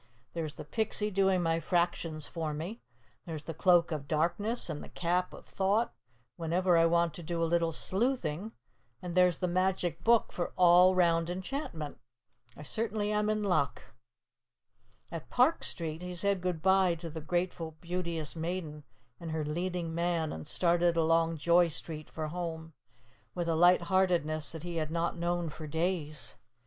There's the Pixie doing my fractions for me. There's the Cloak of Darkness and the Cap of Thought whenever I want to do a little sleuthing, and there's the Magic Book for all 'round enchantment. I certainly am in luck." At Park Street he said good bye to the grateful Beauteous Maiden and her leading man and started along Joy Street for home, with a light heartedness that he had not known for days.